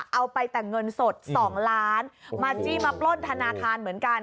เอาไปแต่เงินสด๒ล้านมาจี้มาปล้นธนาคารเหมือนกัน